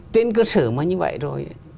trên cơ sở mà như vậy rồi